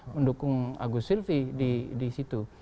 mendukung agus silvi di situ